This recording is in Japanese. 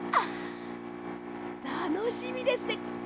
たのしみですね！